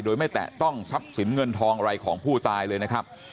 โดยไม่แตะต้องทรัพย์สินเงินทองอะไรของผู้ตายเลยนะครับ